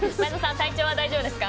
体調は大丈夫ですか？